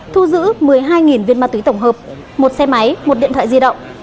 thu giữ một mươi hai viên ma túy tổng hợp một xe máy một điện thoại di động